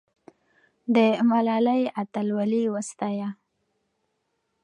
د ملالۍ اتلولي وستایه.